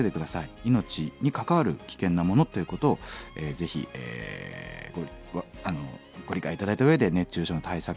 命に関わる危険なものということをぜひご理解頂いた上で熱中症の対策